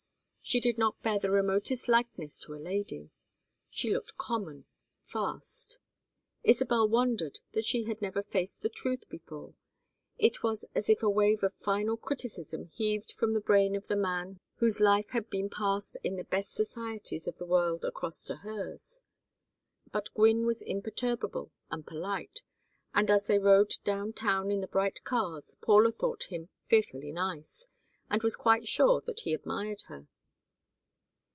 She did not bear the remotest likeness to a lady. She looked common, fast. Isabel wondered that she had never faced the truth before. It was as if a wave of final criticism heaved from the brain of the man whose life had been passed in the best societies of the world across to hers. But Gwynne was imperturbable and polite, and as they rode down town in the bright cars Paula thought him "fearfully nice" and was quite sure that he admired her.